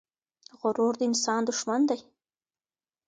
غرور د انسان دښمن دی.